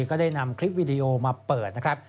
ก็ได้นำคลิปวิดีโอมาเปิดนะครับ